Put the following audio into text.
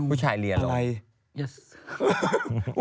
ผู้ชายเหรียญเหรอ